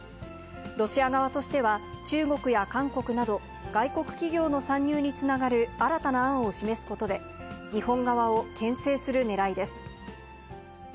ロシア側としては、中国や韓国など、外国企業の参入につながる新たな案を示すことで、日本側をけん制するねらいです。